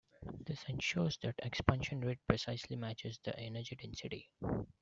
This ensures that expansion rate precisely matches the energy density.